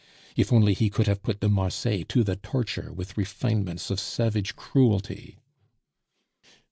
If only he could have put de Marsay to the torture with refinements of savage cruelty!